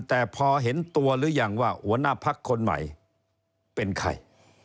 แต่พอเห็นตัวหรือยังว่าหัวหน้าพักคนใหม่เป็นใคร